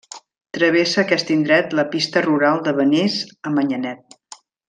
Travessa aquest indret la pista rural de Benés a Manyanet.